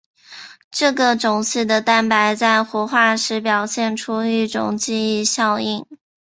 这个种系的蛋白在活化时表现出一种记忆效应。